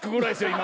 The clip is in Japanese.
今。